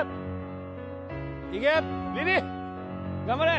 頑張れ